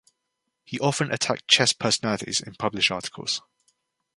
He often attacked chess personalities in published articles.